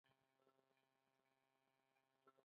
يو نوی بيان کومه